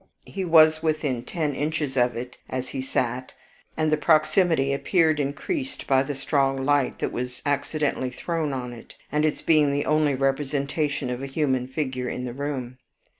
He was within ten inches of it as he sat, and the proximity appeared increased by the strong light that was accidentally thrown on it, and its being the only representation of a human figure in the room.